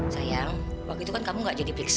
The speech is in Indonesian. sayang waktu itu kan kamu gak jadi periksa